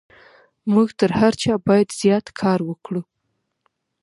موږ تر هر چا بايد زيات کار وکړو.